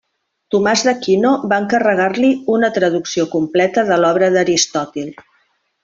Tomàs d'Aquino va encarregar-li d'una traducció completa de l'obra d'Aristòtil.